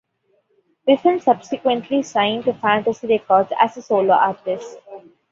Wiffen subsequently signed to Fantasy Records as a solo artist.